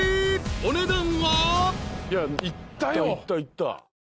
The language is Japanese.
［お値段は］